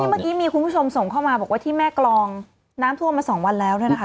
เมื่อกี้มีคุณผู้ชมส่งเข้ามาบอกว่าที่แม่กรองน้ำท่วมมา๒วันแล้วเนี่ยนะคะ